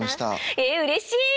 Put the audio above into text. ええうれしい！